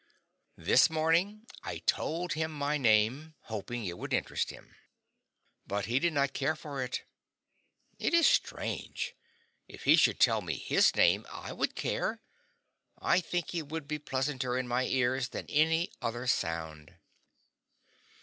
This morning I told him my name, hoping it would interest him. But he did not care for it. It is strange. If he should tell me his name, I would care. I think it would be pleasanter in my ears than any other sound.